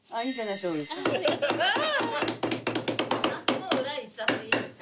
もう裏いっちゃっていいですよ。